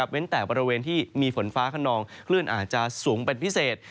แต่บริเวณที่มีฝนฟ้าขนองคลื่นอาจจะสูงเป็นพิเศษ